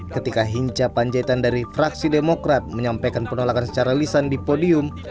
ketika hinca panjaitan dari fraksi demokrat menyampaikan penolakan secara lisan di podium